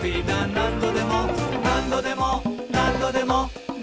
「なんどでもなんどでもなんどでも」